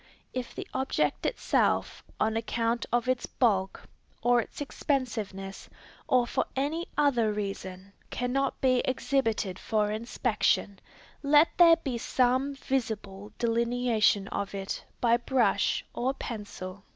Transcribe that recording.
If the object itself, on account of its bulk, or its expensiveness, or for any other reason, cannot be exhibited for inspection, let there be some visible delineation of it by brush or pencil.